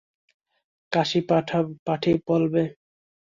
কাশী পাঠি বলবে।